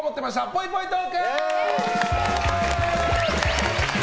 ぽいぽいトーク！